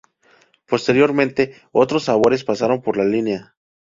Posteriormente, otros sabores pasaron por la línea.